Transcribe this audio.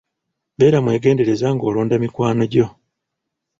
Beera mwegendereza ng'olonda mikwano gyo.